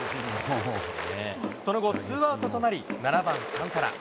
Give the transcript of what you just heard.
その後、ツーアウトとなり、７番サンタナ。